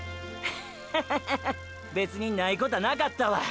ッハハハハ別にないこたなかったわ。